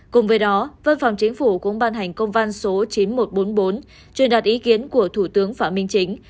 cùng với đó văn phòng chính phủ cũng ban hành công văn số chín nghìn một trăm bốn mươi bốn truyền đạt ý kiến của thủ tướng phạm minh chính